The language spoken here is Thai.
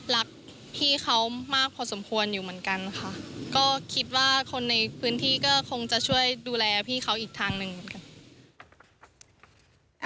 รักพี่เขามากพอสมควรอยู่เหมือนกันค่ะก็คิดว่าคนในพื้นที่ก็คงจะช่วยดูแลพี่เขาอีกทางหนึ่งเหมือนกัน